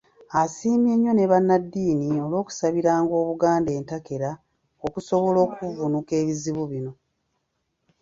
Asiimye nnyo ne Bannaddiini olw'okusabiranga Obuganda entakera okusobola okuvvuunuka ebizibu bino.